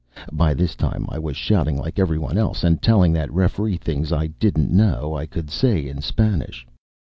By this time, I was shouting like everyone else and telling that referee things I didn't know I could say in Spanish.